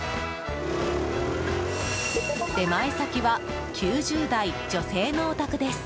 出前先は、９０代女性のお宅です。